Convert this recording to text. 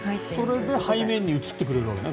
それで背面に映ってくれるわけね。